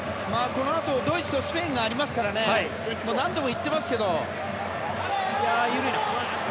このあとドイツとスペインがありますからね何度も言ってますけど。